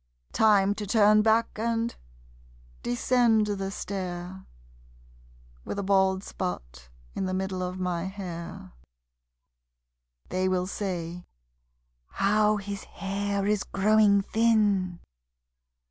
Time to turn back and descend the stair, With a bald spot in the middle of my hair (They will say: "How his hair is growing thin!")